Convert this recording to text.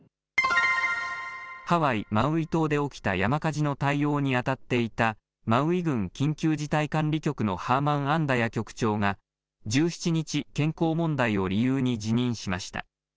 ハワイ・マウイ島で起きた山火事の対応に当たっていた、マウイ郡緊急事態管理局のハーマン・アンダヤ局長が１７日、健康問題を理由に辞任しました。